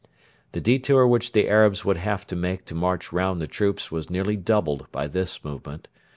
The detour which the Arabs would have to make to march round the troops was nearly doubled by this movement.